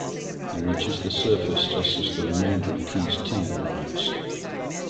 He reaches the surface just as the remainder of Keyes' team arrives.